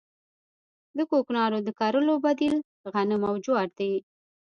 د کوکنارو د کرلو بدیل غنم او جوار دي